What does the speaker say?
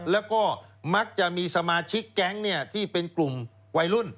แล้วก็มักจะมีสมาชิกแก๊งที่เป็นกลุ่มวัยรุ่น